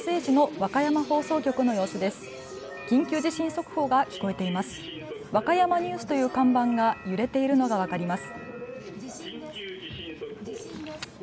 和歌山ニュースという看板が揺れているのが分かります。